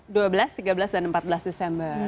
dua belas tiga belas dan empat belas desember